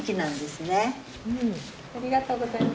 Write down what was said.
ありがとうございます。